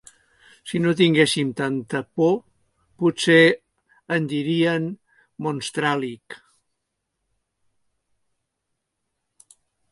Si no tinguessin tanta por potser en dirien Monstràl·lic.